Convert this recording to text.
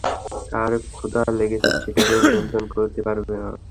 কার ক্ষুধা লেগেছে সেটা কেউ নিয়ন্ত্রণ করতে পারবে না।